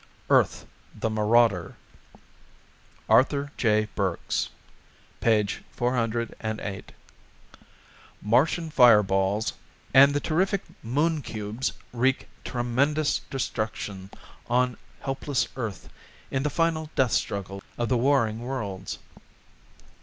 _ EARTH, THE MARAUDER ARTHUR J. BURKS 408 _Martian Fire Balls and the Terrific Moon Cubes Wreak Tremendous Destruction on Helpless Earth in the Final Death Struggle of the Warring Worlds.